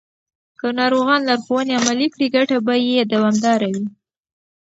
که ناروغان لارښوونې عملي کړي، ګټه به یې دوامداره وي.